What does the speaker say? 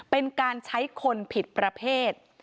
เป็นการใช้คนผิดประเภท